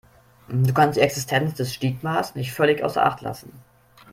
Du kannst die Existenz des Stigmas nicht völlig außer Acht lassen.